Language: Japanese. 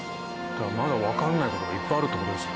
まだわからない事がいっぱいあるって事ですよね。